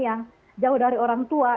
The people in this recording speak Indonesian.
yang jauh dari orang tua